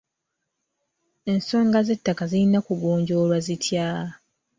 Ensonga z'ettaka zirina kugonjoolwa zitya?